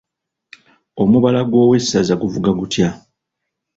Omubala gw'Owessaza guvuga gutya?